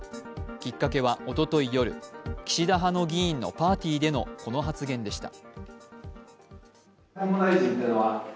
きっかけは、おととい夜岸田派の議員のパーティーでのこの発言でした。